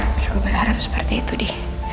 aku juga berharap seperti itu deh